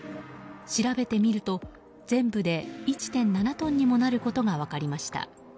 調べてみると全部で１．７トンにもなることが分かりました。